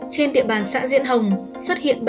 trên tiệm bàn xã diễn hồng xuất hiện